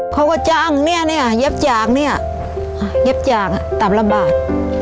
เขาก็จ้างเนี่ยเนี่ยเย็บจากเนี่ยเย็บจากตับลำบาก